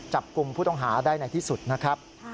จับกลุ่มผู้ต้องหาได้ในที่สุดนะครับ